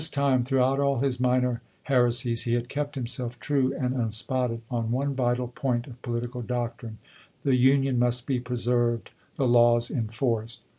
Until this time, throughout all his minor here sies, he had kept himself true and unspotted on one vital point of political doctrine. The Union must be preserved, the laws enforced.